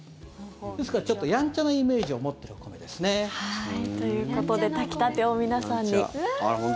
ですから、ちょっとやんちゃなイメージを持ってるお米です。ということで炊きたてを皆さんに。